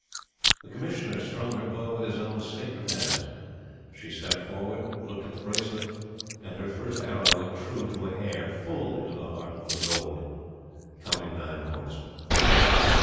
The Commissioner strung her bow with his own sacred hands. She stepped forward, looked at the bracelet, and her first arrow went true to a hair full into the heart of the "gold" counting nine points.